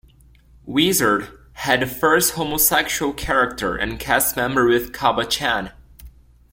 "Wizard" had the first homosexual character and cast member with Kaba-chan.